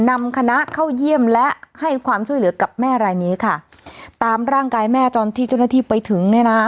นำคณะเข้าเยี่ยมและให้ความช่วยเหลือกับแม่รายนี้ค่ะตามร่างกายแม่ตอนที่เจ้าหน้าที่ไปถึงเนี่ยนะ